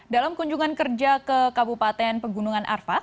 dalam kunjungan kerja ke kabupaten pegunungan arfak